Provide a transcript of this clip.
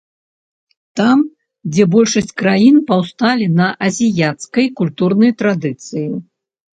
Там, дзе большасць краін паўсталі на азіяцкай культурнай традыцыі.